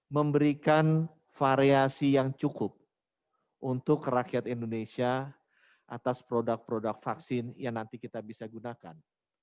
memberikan variasi yang cukup untuk rakyat indonesia atas produk produk vaksin yang nanti kita bisa gunakan